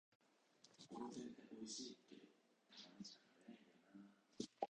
ところてんっておいしいけど、たまにしか食べないんだよなぁ